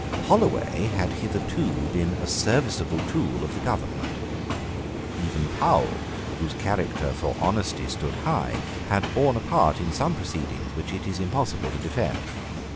Holloway had hitherto been a serviceable tool of the government. Even Powell, whose character for honesty stood high, had borne a part in some proceedings which it is impossible to defend.